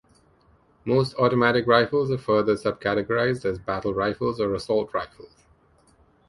Most automatic rifles are further subcategorized as battle rifles or assault rifles.